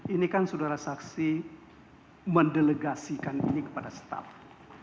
ini kan saudara saksi mendelegasikan ini kepada staff